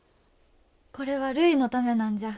これはるいのためなんじゃ。